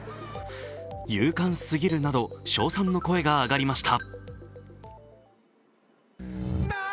勇敢すぎるなど称賛の声が上がりました。